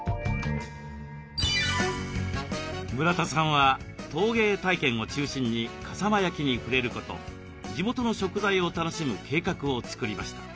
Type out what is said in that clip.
村田さんは陶芸体験を中心に笠間焼に触れること地元の食材を楽しむ計画を作りました。